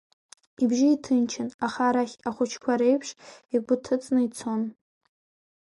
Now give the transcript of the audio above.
Ибжьы иҭынчын аха арахь ахәыҷқәа реиԥш игәы ҭыҵны ицон.